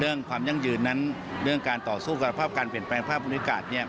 ความยั่งยืนนั้นเรื่องการต่อสู้กับภาพการเปลี่ยนแปลงภาพบรรยากาศ